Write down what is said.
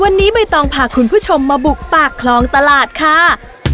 วันนี้ใบตองพาคุณผู้ชมมาบุกปากคลองตลาดค่ะ